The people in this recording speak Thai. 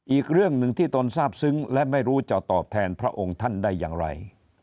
อีกเรื่องหนึ่งที่ตนทราบซึ้งและไม่รู้จะตอบแทนพระองค์ท่านได้อย่างไร